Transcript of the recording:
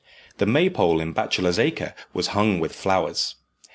The Maypole in Bachelors' Acre was hung with flowers.